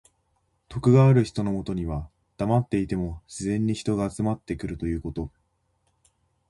徳がある人のもとにはだまっていても自然に人が集まってくるということ。